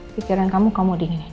pikiran kamu kamu dinginin